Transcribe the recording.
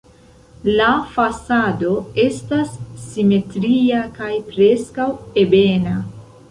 La fasado estas simetria kaj preskaŭ ebena.